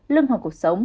lưng hoặc cuộc sống